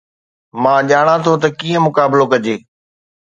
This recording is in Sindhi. مان ڄاڻان ٿو ته ڪيئن مقابلو ڪجي